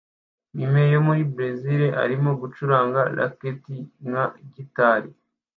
Mime yo muri Berezile arimo gucuranga racket nka gitari